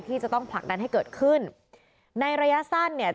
ที่จะต้องผลักดันให้เกิดขึ้นในระยะสั้นเนี่ย